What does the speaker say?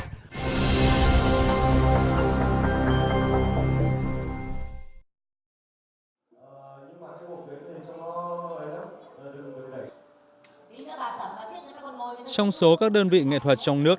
trong số các đơn vị nghệ thuật trong nước